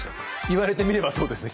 言われてみればそうですね。